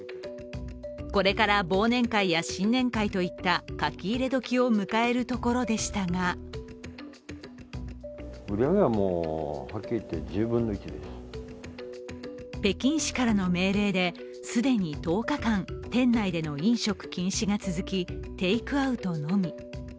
これから忘年会や新年会といった書き入れ時を迎えるときでしたが北京市からの命令で既に１０日間、店内での飲食禁止が続きテイクアウトのみ。